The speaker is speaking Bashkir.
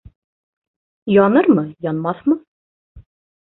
Янырмы, янмаҫмы?!